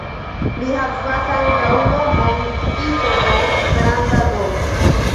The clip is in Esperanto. Li havas ankaŭ nomon "Iso D" (granda D).